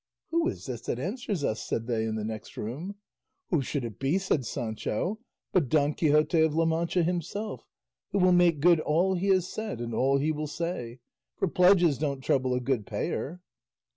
"Who is this that answers us?" said they in the next room. "Who should it be," said Sancho, "but Don Quixote of La Mancha himself, who will make good all he has said and all he will say; for pledges don't trouble a good payer."